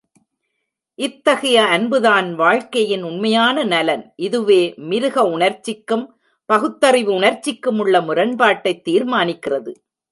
இத்தகைய அன்புதான் வாழ்க்கையின் உண்மையான நலன் இதுவே மிருக உணர்ச்சிக்கும் பகுத்தறிவு உணர்ச்சிக்குமுள்ள முரண்பாட்டைத் தீர்மானிக்கிறது.